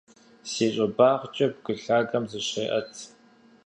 Си щӀыбагъкӀэ бгы лъагэм зыщеӀэт.